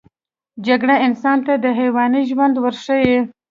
جګړه انسان ته د حیواني ژوند ورښيي